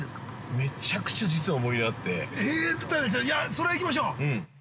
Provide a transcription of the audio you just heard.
◆それは行きましょう。